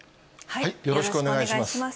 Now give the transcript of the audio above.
よろしくお願いします。